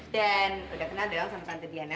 dan udah kenal doang sama tante diana